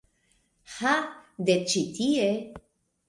Ah de ĉi tie